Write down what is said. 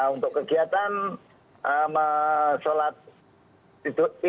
untuk kegiatan sholat tidur